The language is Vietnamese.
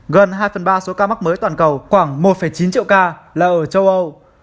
gần hai phần ba số ca mắc mới toàn cầu khoảng một chín triệu ca là ở châu âu